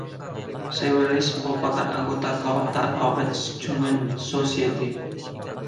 Sawallisch merupakan anggota kehormatan Robert Schumann Society.